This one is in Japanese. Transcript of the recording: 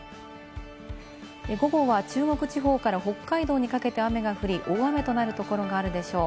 午後は中国地方から北海道にかけて雨が降り、大雨となるところがあるでしょう。